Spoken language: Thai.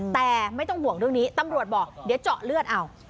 แต่ไม่ต้องห่วงเรื่องนี้ตำรวจบอกเดี๋ยวเจาะเลือดเอา